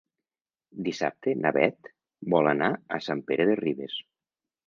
Dissabte na Beth vol anar a Sant Pere de Ribes.